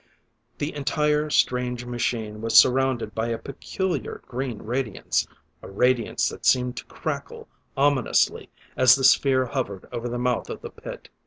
The entire, strange machine was surrounded by a peculiar green radiance, a radiance that seemed to crackle ominously as the sphere hovered over the mouth of the pit.